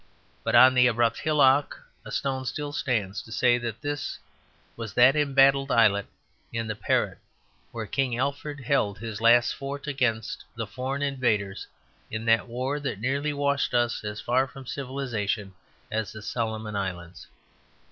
But on the abrupt hillock a stone still stands to say that this was that embattled islet in the Parrett where King Alfred held his last fort against the foreign invaders, in that war that nearly washed us as far from civilization as the Solomon Islands.